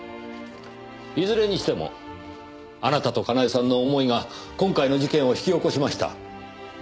いずれにしてもあなたとかなえさんの思いが今回の事件を引き起こしました。